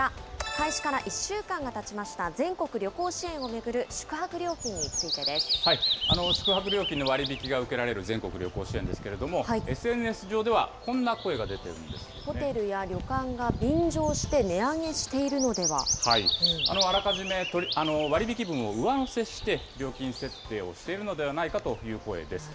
開始から１週間がたちました、全国旅行支援を巡る宿泊料金につい宿泊料金の割引が受けられる全国旅行支援ですけれども、ＳＮＳ上では、こんな声が出ているんホテルや旅館が便乗して値上あらかじめ割引分を上乗せして、料金設定をしているのではないかという声です。